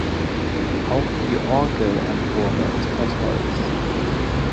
Auch die Orgelempore ist aus Holz.